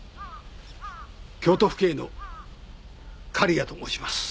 京都府警の狩矢と申します。